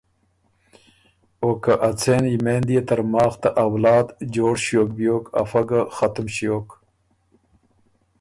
او که ا څېن یمېند يې ترماخ ته اولاد جوړ ݭیوک بیوک افۀ ګۀ ختُم ݭیوک۔